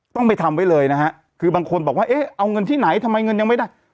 ต้องไปทำไว้เลยนะฮะคือบางคนบอกว่าเอ๊ะเอาเงินที่ไหนทำไมเงินยังไม่ได้